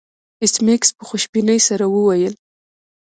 ایس میکس په خوشبینۍ سره وویل